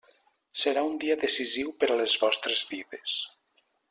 Serà un dia decisiu per a les vostres vides.